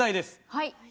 はい。